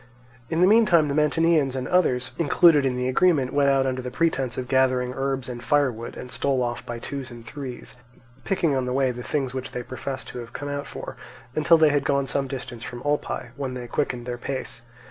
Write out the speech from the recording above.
In the meantime the Mantineans and others included in the agreement went out under the pretence of gathering herbs and firewood, and stole off by twos and threes, picking on the way the things which they professed to have come out for, until they had gone some distance from Olpae, when they quickened their pace.